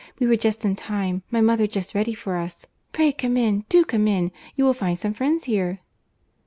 We were just in time; my mother just ready for us. Pray come in; do come in. You will find some friends here."